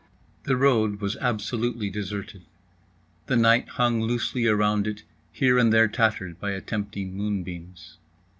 The road was absolutely deserted; the night hung loosely around it, here and there tattered by attempting moonbeams.